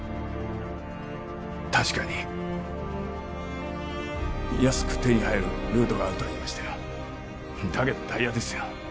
確かに安く手に入るルートがあるとは言いましたよだけどダイヤですよ